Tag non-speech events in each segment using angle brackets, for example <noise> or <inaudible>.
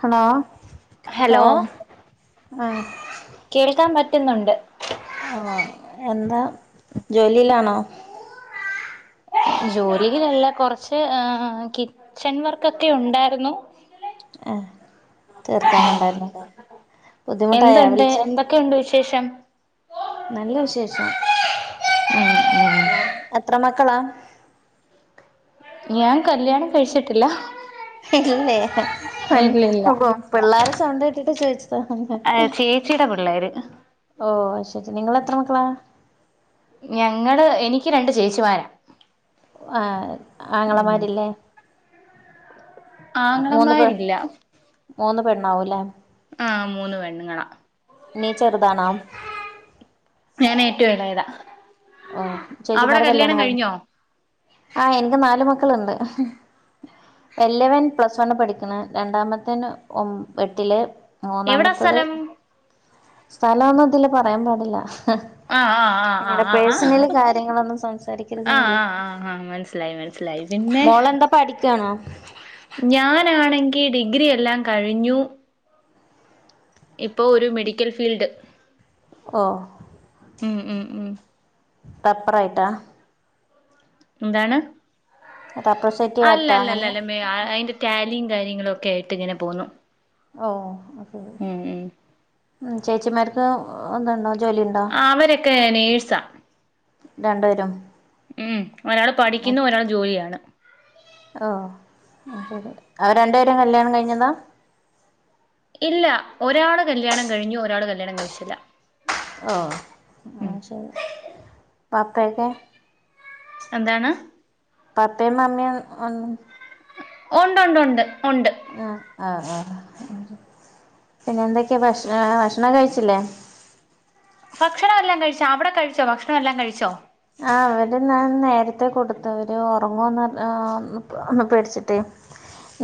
Hello hello കേക്കാവോ ആഹ് കേൾക്കാൻ പറ്റുന്നുണ്ട്. ആ എന്താ ജോലിയിലാണോ ജോലിയിലല്ല കൊറച്ച് കിച്ചൺ വർക്കൊക്കെ ഉണ്ടായിരുന്നു അഹ് തീർക്കാനുണ്ടായിര്ന്നല്ലേ ബുദ്ധിമുട്ടായാ വിളിച്ചേ ക്കെ ഉണ്ട് വിശേഷം നല്ല വിശേഷം ഉം ഉം എത്ര മക്കളാ ഞാൻ കല്യാണം കഴിച്ചിട്ടില്ല ഇല്ലേ ഇല്ലില്ല പിള്ളേരെ സൗണ്ട് കേട്ടിട്ട് ചോഴിച്ച ചേച്ചിയുടെ പിള്ളേര് ഓ അയ് ശെരി നിങ്ങൾ എത്ര മക്കളാ ഞങ്ങള് എനിക്ക് രണ്ട് ചേച്ചിമാര ആഹ് ഉം ആങ്ങളമാരില്ലേ മൂന്ന് പെൺ ആങ്ങളമാരില്ല മൂന്ന് പെണ്ണാവു ലെ ആ മൂന്ന് പെണ്ണ്ങ്ങളാ നീ ചെറുതാണാ ഞാന് ഏറ്റവും എളെതാ ആഹ് ചേച്ചിമാരെ കല്യാണം കഴി കഴിഞ്ഞോ ആ എനിക്ക് നാല് മക്കള്ണ്ട്. വല്ല്യവൻ പ്ലസ് വണ് പഠിക്ക്‌ണ് രണ്ടാമത്തവന് ഒമ്പ് എട്ടില് എവിടാ മൂന്നാമത്തത് സ്ഥലം സ്ഥലൊന്നും ഇതില് പറയാൻ പാടില്ല ആഹ് ആഹ് അങ്ങനെ ആഹ് ആഹ് ആഹ്.. പേഴ്സണല് കാര്യങ്ങളൊന്നും ആഹ് സംസാരിക്കരുതെന്നല്ലേ ആ ആ ആ ആ മൻസ്സിലായി മൻസ്സിലായി പിന്നെ എന്താ പഠിക്കാണോ ഞാനാണെങ്കി ഡിഗ്രി എല്ലാം കഴിഞ്ഞു.. ഇപ്പോ ഒരു മെഡിക്കൽ ഫീൽഡ് ഓഹ് ഉം ഉം ഉം... പപ്പറായിട്ടാ എന്താണ്? അത അപ്രഷേ അല്ല അല്ലല്ലല്ല അതിന്റെ ടാലിയും കാര്യങ്ങളും ഒക്കെ ആയിട്ട് ഇങ്ങനെ പോന്നു. ഓ ഓഅയ് ശെരി ഉം ഉം ഉ ചേച്ചിമാർക്ക് <unintelligible> അവരൊക്കെ നേഴ്സ രണ്ടുപേരും ഉം ഒരാൾ പഠിക്കുന്നു ഒരാൾ ജോലിയാണ് ഓഅയ് ശരി അവ രണ്ടു പേരും കല്യാണം കഴിഞ്ഞതാ ഇല്ല ഒരാള് കല്യാണം കഴിഞ്ഞു ഒരാൾ കല്ല്യാണം കഴിച്ചില്ല ഓ ഉം അയ് ശരി പപ്പാ ഒക്കെ എന്താണ്? പപ്പയും മമ്മിയും ഒന്ന് ഒണ്ട് ഒണ്ട് ഒണ്ട് ഒണ്ട് ആഹ് ആഹ് ആഹ് പിന്നെ എന്തൊക്കെയാ ആഹ് ഭക്ഷണം ഭക്ഷണം കഴിച്ചില്ലേ? ഭക്ഷണംല്ലാം കഴിച് അവിടെ കഴിച്ചോ ഭക്ഷണം എല്ലാം കഴിച്ചോ? ആവ്ടെ ഞാൻ നേരത്തെ കൊടുത്തു അവര് ഉറങ്ങന്ന് ങാ ഒ പേടിച്ചിട്ടേ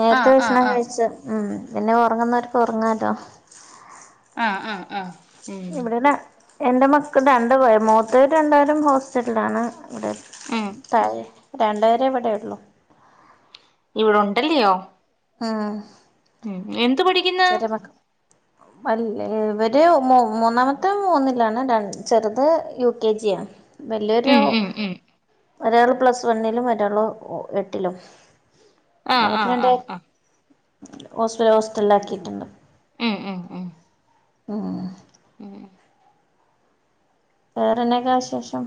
നേരത്തെ ആഹ് ആഹ് ഭഷണം ആഹ് കഴിച് ഉം പിന്നെ ഉറങ്ങുന്നവർക്ക് ഉറങ്ങാലോ ആഹ് ആഹ് ആഹ് ഉം ഇവിടെന്നെ എന്റെ മക്കൾ രണ്ടുപേ മൂത്തര് രണ്ടുപേരും ഹോസ്റ്റലാണ് അവിടെ ഉം താഴ രണ്ട് പേരെ ഇവിടെ ഉള്ളൂ ഇവടുണ്ടല്ല്യോ ആഹ് ഉം എന്ത് പഠിക്കുന്ന ചെരബക്ക് അല്ല ഇവര് മൊ മൂന്നാമത്തെ മൂന്നിലാണ് ര ചെറുത് യു കെ ജിയാണ് വല്യരു ഉം ഉം ഉം ഒരാള് പ്ലസ് വണ്ണിലും ഒരാള് ഉ എട്ടിലും ആഹ് അവര് ആഹ് രണ്ടാ ആഹ് ആഹ് ഹോസ്റ്റല് ഹോസ്റ്റലിലാക്കിട്ടുണ്ട് ഉം ഉം ഉം ഉം ഉം വേറെന്നേക്കാ വിശേഷം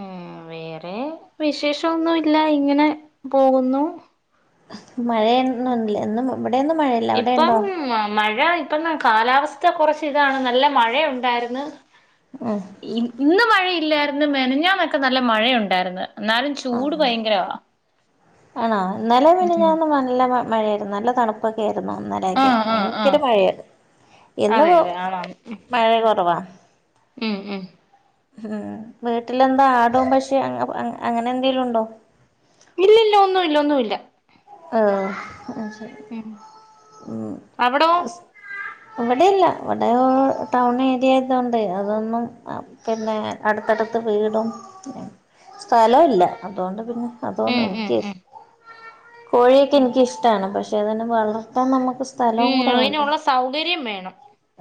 ഉം വേറെ വിശേഷോന്നുല്ല ഇങ്ങനെ പോകുന്നു മഴയൊന്ന് ഇല്ല ഇന്നും ഇവിടെ ഒന്നും മഴയില്ല അവിടെണ്ടോ ഉം ആഹ് മഴ ഇ പ്പന്ന് കാലാവസ്ഥ കൊറച്ച് ഇതാണ് നല്ല മഴേം ഉണ്ടാർന്ന് ഉം ഇ ഇന്ന് മഴയില്ലായിരുന്ന് മെനഞ്ഞാന്നൊക്കെ നല്ല മഴയുണ്ടായിരുന്ന് എന്നാലും ആഹ് ചൂട് ഭയങ്കരവാ ആണോ ഇന്നലെ ഉം മിനിഞ്ഞാന്ന് നല്ല മഴ ആയിരുന്നു നല്ല തണുപ്പ പ്പൊക്കെ ആയിരുന്നു ഇന്നലൊക്കെ ആഹ് ആഹ് ഭയങ്കര ആഹ് മഴയാരുന്നു ഇന്ന് അതെ പ്പോ അതെ ആണാണ് മഴ കൊറവാ ഉം ഉം ഉം വീട്ടിലെന്താ ആടും പശീ അ അ അങ്ങ അങ്ങനെ എന്തേലും ഇണ്ടോ ഇല്ലില്ല ഒന്നുല്ല ഒന്നൂല്ല ആഹ് അയ് ശരി ഉം ഉം അവിടോ അസ് ഇവിടെ ഇല്ല ഇവിടെ ടൗൺ ഏരിയ ആയതോണ്ടേ അതൊന്നും അ പിന്നെ അടുത്തടുത്ത് വീടും സ്ഥലല്ല അതോണ്ട് പിന്നെ അതോന്ന് ഉം ഉം ഇൻകേസ് ഉം കോഴിക്കെ ഉം എനിക്കിഷ്ടാണ് പക്ഷെ അതിനെ വളർത്താൻ നമുക്ക് സ് ഉം അയിനുള്ള സൗകര്യം വേണം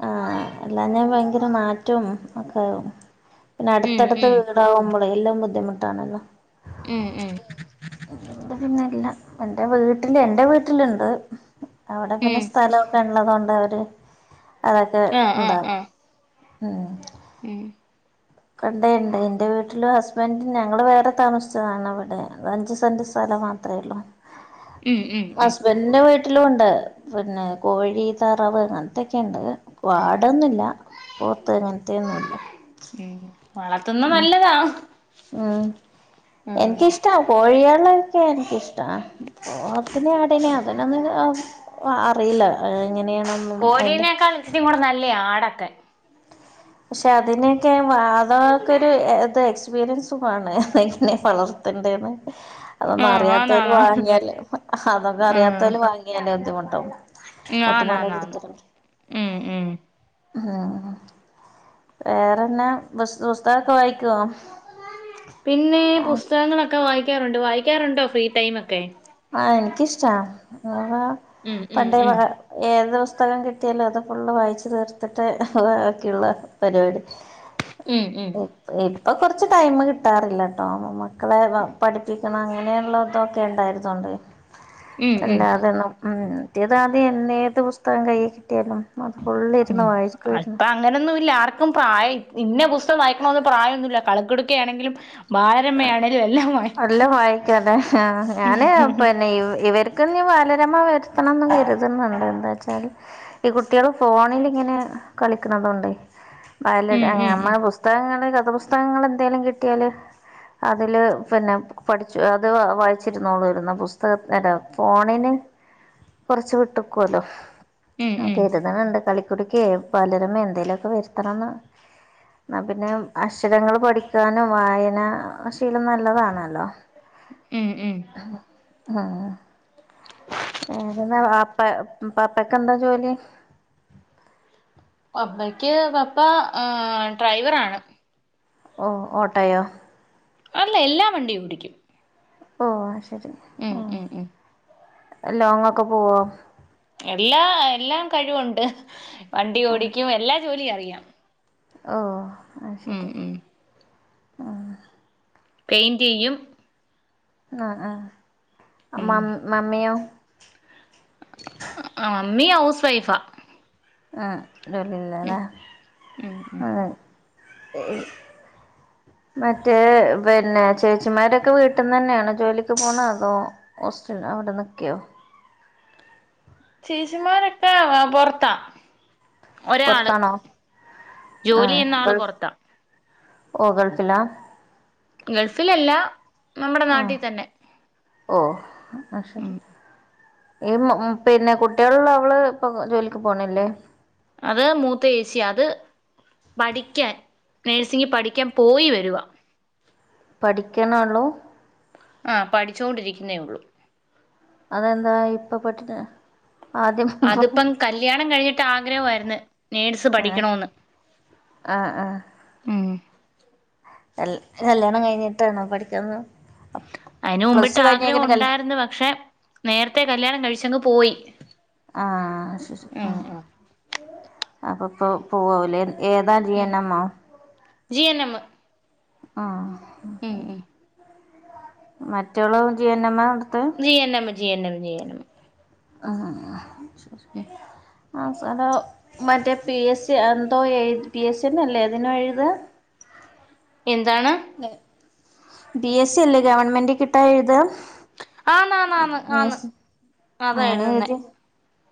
ആഹ് അല്ലാഞ്ഞ ഭയങ്കര നാറ്റവും ഒക്കാവും പിന്നെ ഉം അടുത്തടുത്ത് ഉം വീട് വുമ്പളെ എല്ലാം ബുദ്ധിമുട്ടാണല്ലോ ഏഹ് ഏഹ് അതോണ്ട് പിന്നില്ല എന്റെ വീട്ടില് എന്റെ വീട്ടിലിണ്ട് അവിടെ പിന്നെ ഉം സ്ഥലോ ക്കെ ഇള്ളതൊണ്ട് അവര് അതൊക്കെ ആഹ് ആഹ് ഇണ്ടാക്കും ആഹ് ഉം ഉം പണ്ടേണ്ട് എൻ്റെ വീട്ടിലും ഹസ്ബൻഡ് ഞങ്ങള് വേറെ താമസിച്ചതാണ് അവടെ അത് അഞ്ച് സെന്റ് സ്ഥലം മാത്ര ത്രേള്ളൂ മ്മ്ഹ് മ്മ്ഹ് മ്മ്ഹ് ഇൻ്റെ വീട്ടിലും ഇണ്ട് പിന്നെ കോഴി താറാവ് അങ്ങനത്തൊക്കെണ്ട് വാടൊന്നുല്ല പോത്ത് അങ്ങനത്തെ ഒന്നുല്ല ഉം വളർത്തുന്ന നല്ലതാ ഉം ഉം എനിക്കിഷ്ടാ കോഴികളെ ഒക്കെ എനിക്കിഷ്ടാ പോത്തിനെ ആടിനെ അതിന്നൊന്നും അ അറിയില്ല എ് എങ്ങനെയാണന്ന് കോഴീനേക്കാൾ ഇച്ചിരി കൂടെ നല്ലേ ആടൊക്കെ പക്ഷെ അതിനെയൊക്കെ വാ ആതൊക്കെ ഒരു ഇത് എക്സ്പീരിയൻസും വേണേ എങ്ങനെ വളർത്തണ്ടേന്ന് അതൊന്നും ആഹ് അറിയാത്തോര് ആന്നാന്ന് വാങ്ങിയാല് അതൊക്കെ അറിയാത്തോല് വാങ്ങ്യാല് ബുദ്ധിമുട്ടാവും ഉം മുത്തുമോനോട് ആന്ന്ന്നാന്നാന്ന് എടുത്തിട്ടുണ്ട് ഉം ഉം ഉം വേറെന്നാ പുസ് പുസ്തകൊക്കെ വായിക്കുവോ പിന്നെ ആഹ് പുസ്തകങ്ങളൊക്കെ വായിക്കാറുണ്ട് വായിക്കാറുണ്ടോ ഫ്രീ ടൈമൊക്കെ ആഹ് എനിക്കിഷ്ടാ ഉം ഉം പണ്ടേ ഉം ഏത് പുസ്തകം കിട്ടിയാലും അത് ഫുള്ള് വായിച്ച് തീർത്തിട്ടേ ബാക്കിയുള്ളൂ പരിപാടി ഉം ഉം ഇപ്പൊകുറച്ച്ടൈംകിട്ടാറില്ലട്ടോ മക്കളെ പഠിപ്പിക്കണം അങ്ങനെഇള്ളതൊക്കെ ഉണ്ടാരുന്നു ഉം ഉം എല്ലാതൊന്നും മറ്റേത് ആദ്യം എന്നേ <unintelligible> ഏത് പുസ്തകം കയ്ൽ കിട്ടിയാലും അത് ഫുള്ള് ഇരുന്ന് വായികേരുന്നു അങ്ങനെയൊന്നുഇല്ല ആർക്കുംപ്രായം ഇന്ന പുസ്തകം വായിക്കണമന്ന് പ്രായം ഒന്നു ഇല്ല കളിക്കുടുക്കആണെങ്കിലും അല്ല വായിക്കലെ ഞാന് പിന്നെ ഇവര് എൻക്ക് ബാലരമ വരുത്തണംന്ന് കരുതുന്ന്ണ്ട് എന്താ ച്ചാല് ഈ കുട്ടികള് ഫോണിലിങ്ങനെ കളിക്കുന്നതോണ്ട് പല ഉം ഉം ഉം നമ്മുടെ <unintelligible> പുസ്തകങ്ങൾ കഥാ പുസ്തകങ്ങൾ എന്തെങ്കാലും കിട്ടിയാൽ അതില് പിന്നെ പഠിച്ചു അത് വായിച്ചിരുന്നോളൂരുന്നോ പുസ്ത അല്ല ഫോണിന് കൊറച്ച് വിട്ട്ക്കൊല്ലോ ഉം ഉം കരുതിനിണ്ട് കളി ക്കെ ബാലരമേ എന്തേലൊക്കെ വരുത്തണംന്ന് എന്നാ പിന്നെ അക്ഷരങ്ങൾ പഠിക്കാനും വായന ആഹ് ശീലം നല്ലതാണല്ലോ? ഉം ഉം ആഹ് <unintelligible> ഏതെന്നാപ്പ പപ്പക്ക്എന്താ ജോലി? പപ്പയ്ക്ക് പപ്പ ഡ്രൈവറാണ് ഓഹ് ഓട്ടയോ? അല്ല എല്ലാ വണ്ടിയും ഓടിക്കും ഓഹ് അത്ശരി ഉം ഓഹ് ഉം ഉം ലോങ്ങൊക്കെ പോവോ? എല്ലാ എല്ലാം കഴിവുണ്ട് വണ്ടി ഓടിക്കും എല്ലാ ജോലി അറിയാം ഓഹ് അത് ഉം ശരി ഉം ആഹ് പെയിൻറ് ചെയ്യും ആഹ് ഉം ആഹ് മമ്മിയോ? മമ്മി ഹൗസ് വൈഫാ ആഹ് ഉം ജോലില്ലല്ലേ ഉം ഉം <unintelligible> മറ്റേ പിന്നെ ചേച്ചിമാരൊക്കെ വീട്ടിന്ന് തന്നെയാണോ ജോലിക്ക് പോണ അതോ? ഹോസ്റ്റല് അവിടെ നിക്യോ? ചേചിമാരൊക്കെ പൊറത്താ ഒരാള് പുറത്താണോ ആ ജോലി ചെയ്യുന്ന ആള് ഗൾഫ് പൊറത്താ ഓ ഗൾഫിലാ ഗൾഫിലല്ല നമ്മുടെ ആ നാട്ടിൽ തന്നെ ഓ അത് ശരി ഉം ഈ മു പിന്നെ കുട്ട്യള് ഇള്ളവള് ഇപ്പം ജോലിക്ക് പോണില്ലേ? അത് മൂത്ത ഏച്ചി അത് പഠിക്കാൻ നേഴ്സിംഗിൽ പഠിക്കാൻ പോയി വരുവാ പഠിക്കണോ ഉള്ളൂ? ആഹ് പഠിച്ചൊണ്ടിരിക്കുന്നേ ഉള്ളൂ അതന്താ ഇപ്പ പടി അതിപ്പം കല്ല്യാണം കഴിഞ്ഞിട്ട് ആഗ്രഹ ആയിരുന്നു നേഴ്സ് പഠിക്കണോന്ന് ആഹ് ആഹ് ഉം കല് കല്യാണം കഴിഞ്ഞിട്ടാണോ പഠിക്കന്ന് അതിന് മുമ്പിട്ട് ആഗ്രഹം ഉണ്ടാരുന്നു പക്ഷെ നേരത്തെ കല്യാണം കഴിച്ചങ്ങ് പോയി ആഹ് ശരി ശരി ആ ആഹ് ആഹ് അപ്പൊ ഇപ്പോ പോവാവുംലേ ഏതാ ജി ഉം എൻ മം മോ? ജി എൻ നമ്മ് ആഹ് ഉം ഉം മറ്റേളു ജീ എൻ നമ്മാ കൊടുത്തെ. G N M G N M G N M ആഹ് ആഹ് ഉം അവസാന മറ്റേ പി എസ് സി എന്തോ എഴു പി എസ് സിന്ന അല്ലേ ഇതിന് എഴുതാ എന്താണ്? ബി എസ് സി അല്ലേ ഗവൺമെന്റ് കിട്ടാ എഴുത. ആന്ന് ആന്ന് ആന്ന് ആന്ന് യെസ് അങ്ങനെ അതായിരുന്നു എഴുതിയ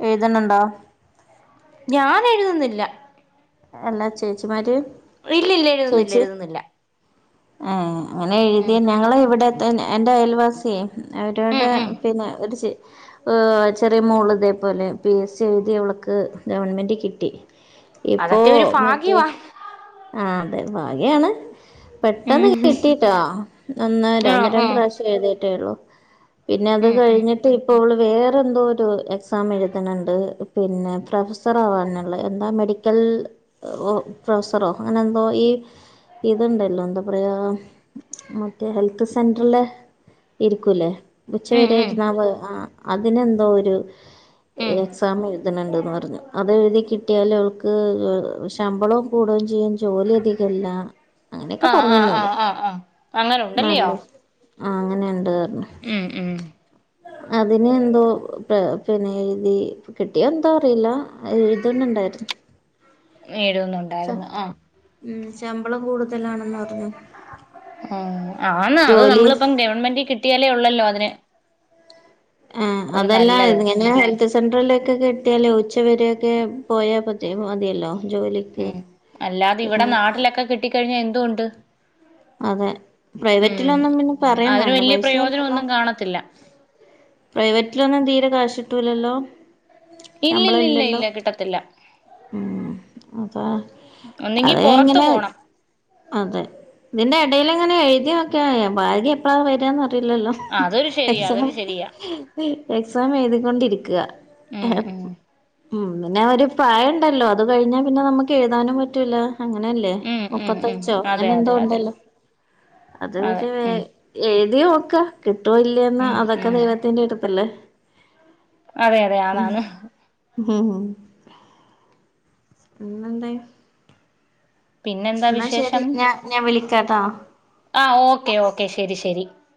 എഴുതണ്ടണ്ടോ? ഞാൻ എഴുതുന്നില്ല. എല്ലാ ചേച്ചിമാര്. ഇല്ല ഇല്ല എഴതുന്നില്ല എഴതുന്നില്ല. ഏഹ് അങ്ങനെ എഴുതിയ ഞങ്ങള് ഇവിടെ എന്റെ അയൽവാസിയേ. ഉം അവരോടെ ഉം പിന്നെ ഒരു ച്ചെ ചെറിയ മോൾ ഇതേപോലെ പി എസ് സി എഴുതി അവൾക്ക് ഗവൺമെൻറ് കിട്ടി. ഇപ്പോ അതൊക്കെ ഒരു മറ്റേ ഭാഗ്യവാ ആ അതെ ഭാഗ്യയാണ്. ഉം പെട്ടെന്ന് കിട്ടിട്ടോ ഒന്ന് രണ്ട ആഹ് ഒന്ന് രണ്ട് ആഹ് പ്രാവശ്യം എഴുതിട്ടേള്ളു. പിന്നെ അത് ഉം ഉം കഴിഞ്ഞി ഇപ്പോ വേറെ എന്തോ ഒരു എക്സാം എഴുതുന്നുണ്ട് പിന്നെ പ്രൊഫസർ ആവാനുള്ള എന്താ മെഡി ക്കൽ പ്രൊഫസറോ അങ്ങനെ എന്തോ ഈ ഇതുണ്ടല്ലോ എന്താ പറയാ. മറ്റേ ഹെൽത്ത് സെന്ററിലെ. ഇരിക്കുലേ. ഉം ഉച്ചവരൊ ഉം ഇര്ന്നാവ ആ അതിനെന്തോ ഒരു ഉം എക്സാം എഴ എഴുതുണണ്ട് റഞ്ഞു അത് എഴുതി കിട്ടിയാലൽ അവക്ക് ഉം ഉം ശമ്പള്ളോം കൂടോ ചെയ്യും ജോലി അധികല്ല. അങ്ങനെയൊക്കെ ആഹ് ആഹ് പറഞ്ഞിന്നോട് ആഹ് ആഹ് ആഹ് അങ്ങനെ ഉണ്ടല്ലയോ നല്ലത് ആ അങ്ങനെണ്ട് റഞ്ഞ ഉം ഉം അതിന് എന്തോ പിന്നെ എഴുതി. കിട്ടിയാൽ എന്തോ അറിയില്ല എഴുതുന്നുണ്ടായിരുന്നു. ച്ച എഴുതുന്നുണ്ടായിരുന്നു ആഹ് ഉം. ശമ്പളം കൂടുതലാണെന്ന് പറഞ്ഞു. ഉം ആന്ന് അത് ജോലി നമ്മളിപ്പം ഗവൺമെന്റ് കിട്ടിയാലേ ഒള്ളല്ലോ അതിന്. ആഹ് ഒരു അതല്ല നല്ലത് എങ്ങനെ ഉള്ള സെൻട്രലിലേക്കെ കിട്ടിയാലേ ഉച്ച വരെക്കെ പോയാൽ മതിയല്ലോ ജോലിക്ക് ഉം. അല്ലാതെ ഇവിടെ പിന്നെ നാട്ടിലെക്കെ കിട്ടിക്കഴിഞ്ഞാ എന്തൊ ഉണ്ട്. അതെ ഉം പ്രൈവറ്റിലൊന്നും പിന്നെ പറയും അതിന് വേണ്ട വലിയ പ്രയോജനം പൈസയല്ലല്ലോ ഒന്നും കാണത്തില്ല. പ്രൈവറ്റിലൊന്നും തീരെ കാശ് കിട്ടൂലല്ലോ. ശമ്പളം ഇല്ലില്ലില്ല ഇല്ലല്ലോ. ഇല്ല കിട്ടത്തില്ല ഉം അതാ ഒന്നെങ്കി അതെ പൊറത്ത് എങ്ങനെയാ പോണം അതെ ഇതിന്റെ എടയിൽ എങ്ങനെ എഴുതി നോക്കിയാ ഭാഗ്യാ എപ്പളാ വരിക അറിയില്ലല്ലോ. അതൊരു ശരിയാ എക്സാം അതൊരു ശരിയാ എക്സാം എഴുതികൊണ്ടിയിരിക്കുക ഉം ഉം ഉം പിന്നെ ഒരു പ്രായ ഒണ്ടല്ലോ അത് കഴിഞ്ഞാ പിന്നെ നമുക്ക് എഴുതാനും പറ്റൂല. അങ്ങനെയല്ലേ ഉം ഉം ഉം മുപ്പത്തഞ്ചോ അതെ അങ്ങനെ എന്തോ അതെ അതെ ഒണ്ടല്ലോ അത് അതെ ഒരു വേ ഉം എഴുതി നോക്ക കിട്ടുവേയില്ലന്ന് ഉം അതൊക്കെ ഉം ദൈവത്തിന്റെ ഒരു ഇതല്ലേ അതെ അതെ ആന്ന് ആന്ന് ഹ് ഹ്, പിന്നെന്തെയ് പിന്നെന്താ എന്നാ ശരി വിശേഷം ഞാൻ ഞാൻ വിളിക്കാട്ടോ. ആഹ് ഓക്കെ ഓക്കെ ശരി ശരി